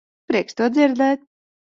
Prieks to dzirdēt.